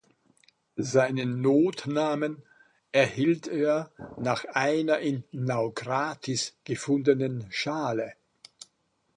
Seinen Notnamen erhielt er nach einer in Naukratis gefundenen Schale.